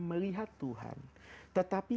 melihat tuhan tetapi